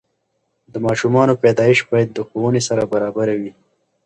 د ماشومانو پیدایش باید د ښوونې سره برابره وي.